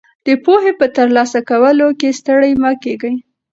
د پوهې په ترلاسه کولو کې ستړي مه ږئ.